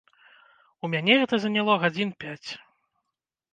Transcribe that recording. У мяне гэта заняло гадзін пяць.